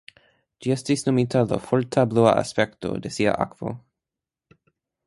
Ĝi estis nomita laŭ forta blua aspekto de sia akvo.